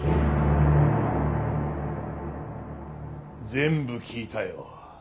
全部聞いたよ。